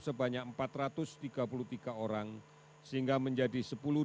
sebanyak empat ratus tiga puluh tiga orang sehingga menjadi sepuluh lima ratus lima puluh satu